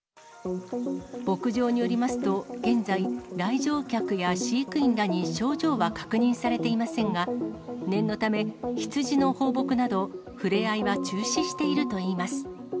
牧場によりますと、現在、来場客や飼育員らに症状は確認されていませんが、念のため、羊の放牧など、触れ合いは中止しているといいます。